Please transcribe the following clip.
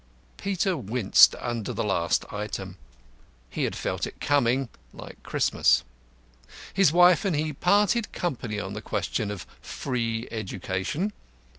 Peter winced under the last item. He had felt it coming like Christmas. His wife and he parted company on the question of Free Education.